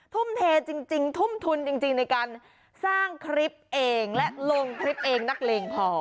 ทุ่มเทจริงทุ่มทุนจริงในการสร้างคลิปเองและลงคลิปเองนักเลงพอ